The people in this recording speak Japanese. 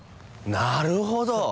なるほど！